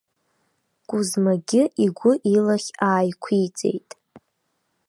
Кузмагьы игәы-илахь ааиқәиҵеит.